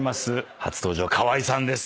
初登場河井さんです。